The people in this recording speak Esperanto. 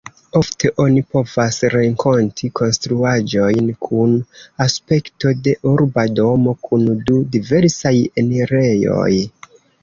Ofte oni povas renkonti konstruaĵojn kun aspekto de urba domo, kun du diversaj enirejoj.